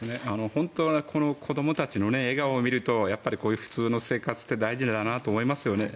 本当にこの子どもたちの笑顔を見るとやっぱり普通の生活って大事だなと思いますよね。